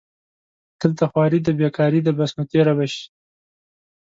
دلته خواري دې بېکاري ده بس نو تېره به شي